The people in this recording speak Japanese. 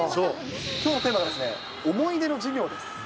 きょうのテーマが思い出の授業です。